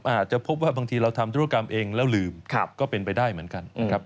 อาจจะพบว่าบางทีเราทำธุรกรรมเองแล้วลืมก็เป็นไปได้เหมือนกันนะครับ